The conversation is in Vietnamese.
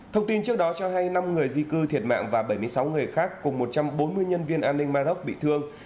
thông tin trước đó cho hay năm người di cư thiệt mạng và bảy mươi sáu người khác cùng một trăm bốn mươi nhân viên an ninh maroc bị thương